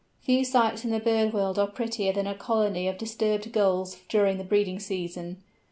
Few sights in the bird world are prettier than a colony of disturbed Gulls during the breeding season.